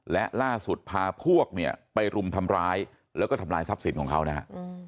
และล่าสุดพาพวกเนี่ยไปรุมทำร้ายแล้วก็ทำลายทรัพย์สินของเขานะฮะ